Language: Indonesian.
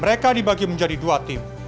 mereka dibagi menjadi dua tim